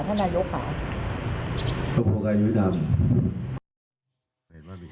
ท่านนายยกค่ะคุณผู้ชมการยุทธ์ทำ